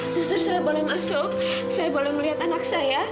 suster saya boleh masuk saya boleh melihat anak saya